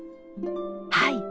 はい。